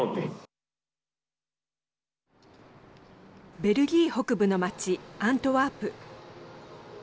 ベルギー北部の町アントワープ。